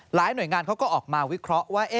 หน่วยงานเขาก็ออกมาวิเคราะห์ว่า